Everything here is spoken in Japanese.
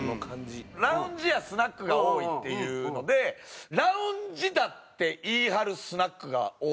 ラウンジやスナックが多いっていうのでラウンジだって言い張るスナックが多くて。